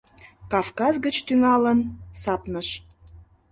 Кавказ гыч тӱҥалын, Сапныш